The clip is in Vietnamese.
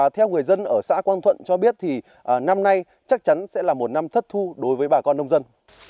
theo người dân ở xã quang thuận cho biết thì năm nay chắc chắn sẽ là một năm thất thu đối với bà con nông dân